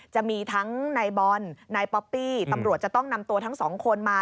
จะมีทั้งนายบอลนายป๊อปปี้ตำรวจจะต้องนำตัวทั้งสองคนมา